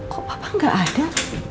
kok papa gak ada